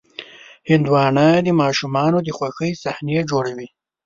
هندوانه د ماشومانو د خوښې صحنې جوړوي.